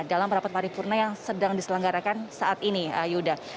dalam rapat paripurna yang sedang diselenggarakan saat ini yuda